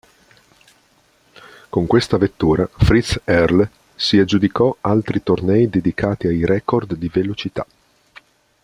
Con questa vettura Fritz Erle si aggiudicò altri tornei dedicati ai record di velocità.